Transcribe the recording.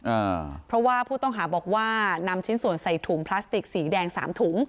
อ่าเพราะว่าผู้ต้องหาบอกว่านำชิ้นส่วนใส่ถุงพลาสติกสีแดงสามถุง